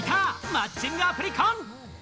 マッチングアプリ婚。